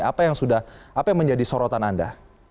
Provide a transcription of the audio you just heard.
apa yang sudah apa yang menjadi sorotan anda